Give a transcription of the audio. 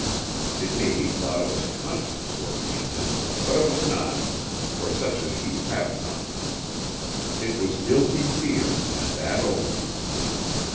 It may be thought it was conscience working in him; but it was not, for such as he have none. It was guilty fear, and that only.